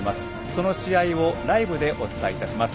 その試合をライブでお伝えします。